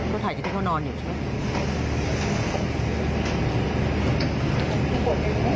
ต้องถ่ายที่ที่ต้องนอนอยู่ใช่ไหม